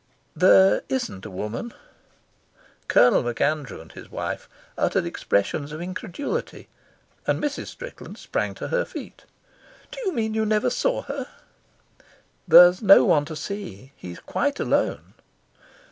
"There isn't a woman." Colonel MacAndrew and his wife uttered expressions of incredulity, and Mrs. Strickland sprang to her feet. "Do you mean to say you never saw her?" "There's no one to see. He's quite alone."